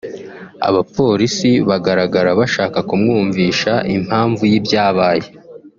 Abapolisi bagaragara bashaka kumwumvisha impamvu y’ibyabaye